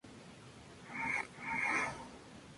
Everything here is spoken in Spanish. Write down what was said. Actualmente es el Embajador de España en Libia.